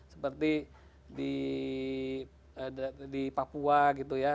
seperti di papua gitu ya